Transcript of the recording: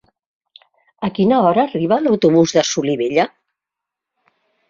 A quina hora arriba l'autobús de Solivella?